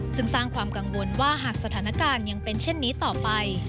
ซึ่งสร้างความกังวลว่าหากสถานการณ์ยังเป็นเช่นนี้ต่อไป